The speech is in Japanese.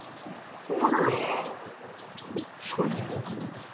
はらっそいでよかとか？